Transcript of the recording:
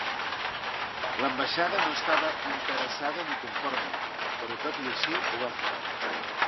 L'ambaixada no estava "interessada ni conforme", però, tot i així, ho va fer.